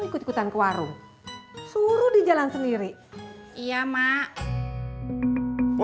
ikut ikutan ke warung suruh dijalan sendiri iya mak pur